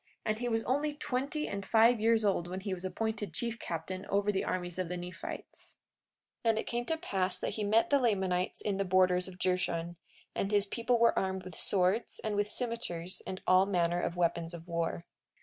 And he was only twenty and five years old when he was appointed chief captain over the armies of the Nephites. 43:18 And it came to pass that he met the Lamanites in the borders of Jershon, and his people were armed with swords, and with cimeters, and all manner of weapons of war.